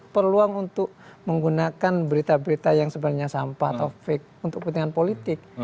peluang untuk menggunakan berita berita yang sebenarnya sampah atau fake untuk kepentingan politik